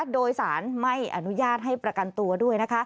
โดยสารไม่อนุญาตให้ประกันตัวด้วย